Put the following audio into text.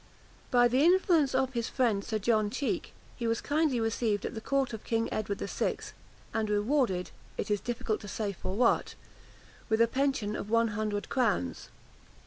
By the influence of his friend Sir John Cheek, he was kindly received at the court of King Edward VI., and rewarded (it is difficult to say for what) with a pension of one hundred crowns.